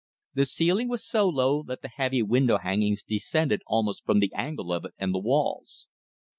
The ceiling was so low that the heavy window hangings depended almost from the angle of it and the walls.